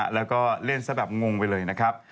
แล้วก็เล่นซะแบบงงไปเลยนะครับ